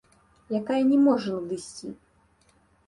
Якая не можа надысці.